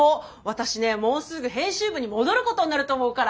私ねもうすぐ編集部に戻ることになると思うから。